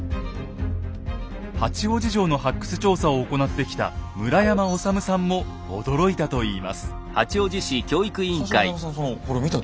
八王子城の発掘調査を行ってきた村山修さんも驚いたといいます。